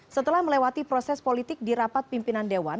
setelah melewati proses politik di rapat pimpinan dewan